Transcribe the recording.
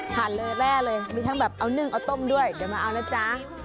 ทานเลยแร่เลยมีทั้งแบบเอานึ่งเอาต้มด้วยเดี๋ยวมาเอานะจ๊ะ